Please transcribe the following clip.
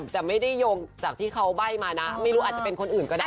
แต่ไม่ได้โยงจากที่เขาใบ้มานะไม่รู้อาจจะเป็นคนอื่นก็ได้